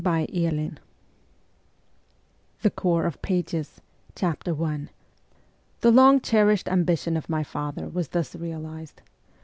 PART SECOND THE CORPS OF PAGES VOL. I. G THE long cherished ambition of my father was thus realized.